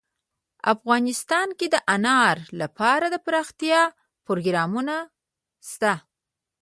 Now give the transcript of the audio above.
افغانستان کې د انار لپاره دپرمختیا پروګرامونه شته.